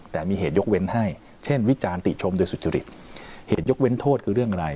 แต่มีเหตุยกเว้นให้เช่นวิจารณ์ติชมโดยสุจริตเหตุยกเว้นโทษคือเรื่องอะไร